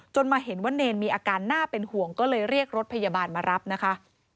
มาเห็นว่าเนรมีอาการน่าเป็นห่วงก็เลยเรียกรถพยาบาลมารับนะคะ